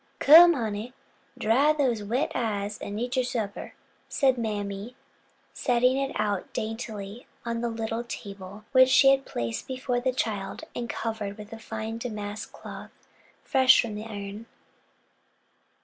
"Come, honey, dry dose wet eyes an' eat yo' supper," said mammy, setting it out daintily on a little table which she placed before the child and covered with a fine damask cloth fresh from the iron.